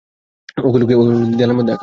ওগুলো কি দেয়ালের মধ্যে আঁকা?